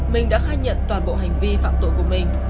minh đã khai nhận toàn bộ hành vi phạm tội của mình